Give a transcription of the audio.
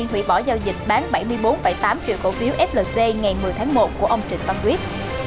hủy bỏ giao dịch bán bảy mươi bốn tám triệu cổ phiếu flc ngày một mươi tháng một của ông trịnh văn quyết